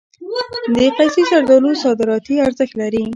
د قیسی زردالو صادراتي ارزښت لري.